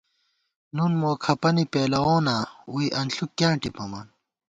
نُون مو کھپنی پېلووناں ووئی انݪک کیاں ٹِپمان